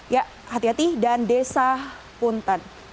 ya hati hati dan desa punten